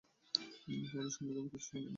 তাদের সম্বন্ধে কিছুই জানো না, সত্যা।